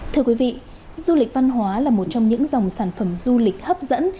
thưa quý vị du lịch văn hóa là một trong những dòng sản phẩm du lịch hấp dẫn